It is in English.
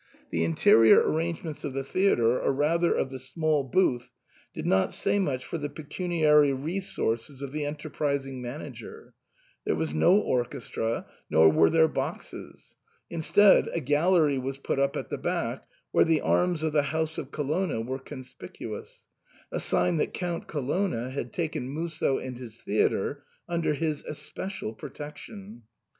The interior arrangements of the theatre, or rather of the small booth, did not say much for the pecuniary resources of the enterprising manager. There was no orchestra, nor were there boxes. Instead, a gallery was put up at the back, where the arms of the house of Colonna were conspicuous — a sign that Count Colonna had taken Musso and his theatre under his especial pro tection.